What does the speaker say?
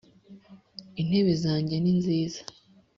intebe zanjye ni nziza